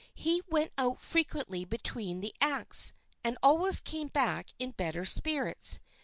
He went out frequently between the acts, and always came back in better spirits.